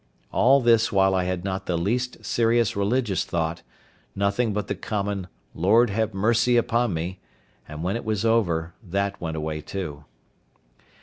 All this while I had not the least serious religious thought; nothing but the common "Lord have mercy upon me!" and when it was over that went away too.